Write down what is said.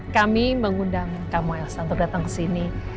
kami mengundang kamu elsa untuk datang kesini